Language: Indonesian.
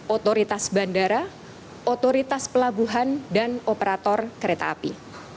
otoritas bandara otoritas pelabuhan dan operator kereta api